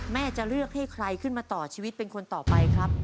แม่จะเลือกให้ใครขึ้นมาต่อชีวิตเป็นคนต่อไปครับ